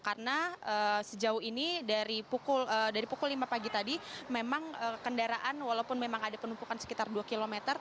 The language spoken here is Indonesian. karena sejauh ini dari pukul lima pagi tadi memang kendaraan walaupun memang ada penumpukan sekitar dua km